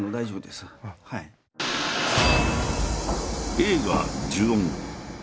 映画「呪怨」。